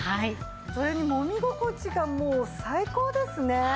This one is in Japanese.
それにもみ心地がもう最高ですね。